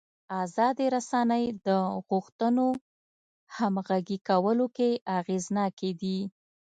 ازادې رسنۍ د غوښتنو همغږي کولو کې اغېزناکې دي.